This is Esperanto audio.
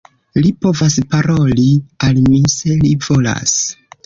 Li povas paroli al mi se li volas.